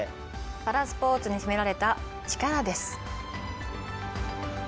パラスポーツに秘められた力です。